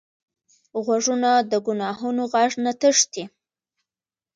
غوږونه د ګناهونو غږ نه تښتي